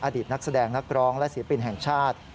อดีตนักแสดงนักร้องและศิลปินแห่งชาติ